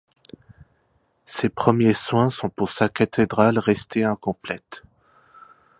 Ses premiers soins sont pour sa cathédrale restée incomplète.